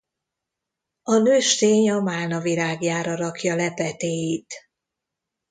A nőstény a málna virágjára rakja le petéit.